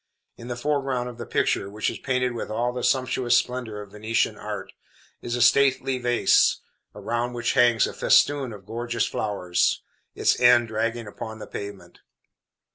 In the foreground of the picture, which is painted with all the sumptuous splendor of Venetian art, is a stately vase, around which hangs a festoon of gorgeous flowers, its end dragging upon the pavement.